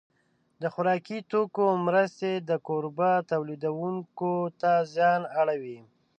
د خوراکي توکو مرستې د کوربه تولیدوونکو ته زیان اړوي.